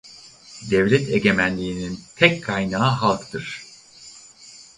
Devlet egemenliğinin tek kaynağı halktır.